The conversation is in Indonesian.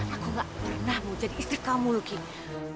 aku gak pernah mau jadi istri kamu gini